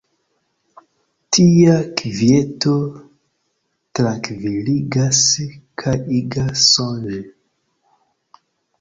Tia kvieto trankviligas kaj igas sonĝi.